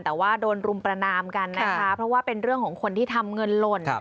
แต่ว่าโดนรุมประนามกันนะคะเพราะว่าเป็นเรื่องของคนที่ทำเงินหล่น